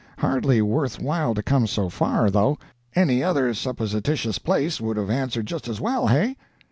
Hardly worth while to come so far, though; any other supposititious place would have answered just as well hey?"